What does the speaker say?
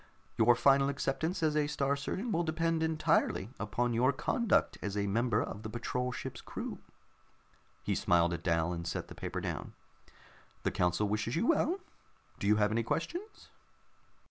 Your final acceptance as a Star Surgeon will depend entirely upon your conduct as a member of the patrol ship's crew." He smiled at Dal, and set the paper down. "The council wishes you well. Do you have any questions?"